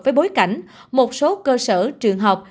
với bối cảnh một số cơ sở trường học